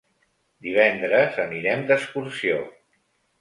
Divendres anirem d'excursió.